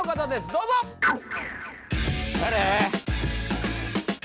どうぞ誰？